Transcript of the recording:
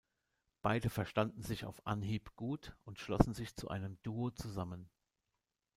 Beide verstanden sich auf Anhieb gut und schlossen sich zu einem Duo zusammen.